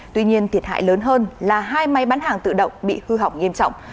tuy nhiên thiệt hại lớn hơn là hai máy bán hàng tự động bị hư hỏng nghiêm trọng